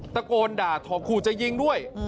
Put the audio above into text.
ตะโกนด่าทอขู่จะยิงด้วย